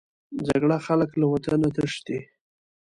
جګړه خلک له وطنه تښتي